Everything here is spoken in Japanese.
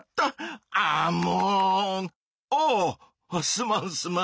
すまんすまん！